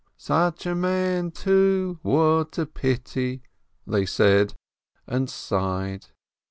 "Such a man, too, what a pity!" they said, and sighed.